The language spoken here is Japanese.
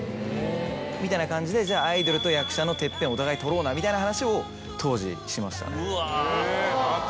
みたいな感じで「じゃあアイドルと役者のテッペンをお互い取ろうな」みたいな話を当時しましたね。